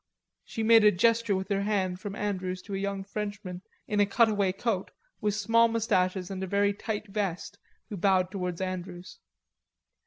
She made a gesture with her hand from Andrews to a young Frenchman in a cut away coat, with small mustaches and a very tight vest, who bowed towards Andrews.